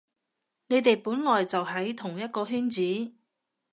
你哋本來就喺同一個圈子